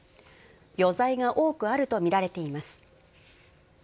余罪が多くあると見られています。